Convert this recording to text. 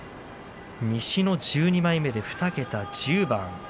西の１２枚目で２桁１０番。